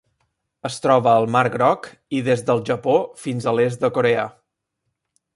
Es troba al Mar Groc i des del Japó fins a l'est de Corea.